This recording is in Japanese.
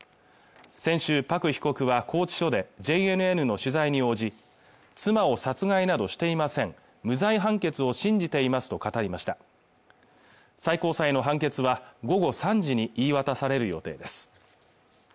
先週パク被告は拘置所でＪＮＮの取材に応じ妻を殺害などしていません無罪判決を信じていますと語りました最高裁の判決は午後３時に言い渡される予定です